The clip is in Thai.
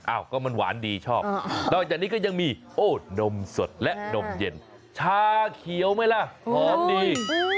อ้าวก็มันหวานดีชอบนอกจากนี้ก็ยังมีโอ้นมสดและนมเย็นชาเขียวไหมล่ะหอมดี